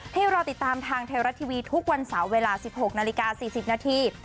เพื่อรอติดตามทางไทยรัฐทีวีทุกวันเสาร์เวลาสิบหกนาฬิกาสี่สิบนาที